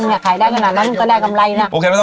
ในค่ำนั้นมันก็ได้กำไรนะ